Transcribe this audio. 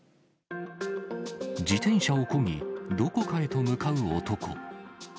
自転車をこぎ、どこかへと向かう男。